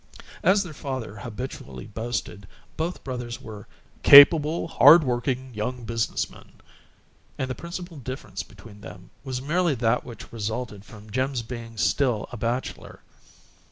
As their father habitually boasted, both brothers were "capable, hard working young business men," and the principal difference between them was merely that which resulted from Jim's being still a bachelor.